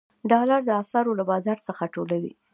ډالر د اسعارو له بازار څخه ټولوي.